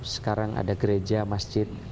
sekarang ada gereja masjid